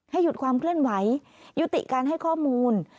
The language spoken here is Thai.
หยุดความเคลื่อนไหวยุติการให้ข้อมูล